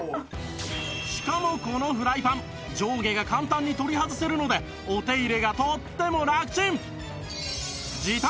しかもこのフライパン上下が簡単に取り外せるのでお手入れがとってもラクチン！